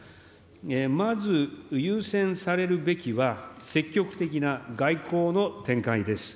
まず優先されるべきは、積極的な外交の展開です。